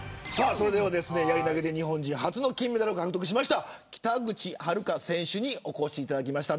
それでは、やり投げで日本人初の金メダルを獲得した北口榛花選手にお越しいただきました。